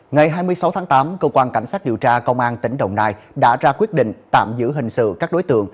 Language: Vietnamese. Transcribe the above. ngày hai mươi sáu tháng tám cơ quan cảnh sát điều tra công an tỉnh đồng nai đã ra quyết định tạm giữ hình sự